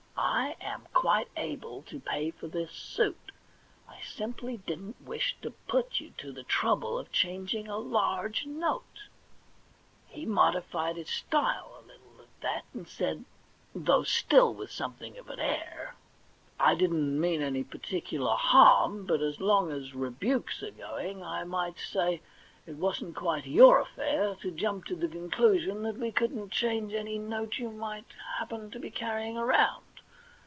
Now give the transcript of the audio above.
I am quite able to pay for this suit ; I simply didn't wish to put you to the trouble of changing a large note.* He modified his style a little at that, and said, though still with something of an air :* I didn't mean any particular harm, but as long as rebukes are going, I might say it wasn't quite your affair to jump to the conclusion that we couldn't change any note that you might happen to be carrying around.